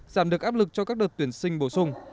giảm được áp lực cho các đợt tuyển sinh bổ sung